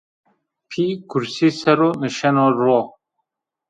Pî kursî ser o nişeno ro